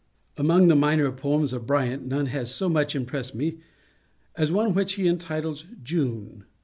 Among the minor poems of Bryant, none has so much impressed me as the one which he entitles "June."